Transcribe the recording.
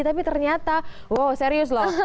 tapi ternyata wow serius loh